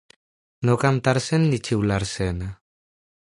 No cantar-se'n ni xiular-se'n.